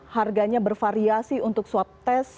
harganya bervariasi untuk swab test